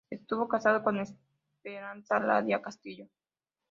Estuvo casado con Esperanza Aranda Castillo.